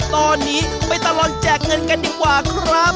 ตอนนี้ไปตลอดแจกเงินกันดีกว่าครับ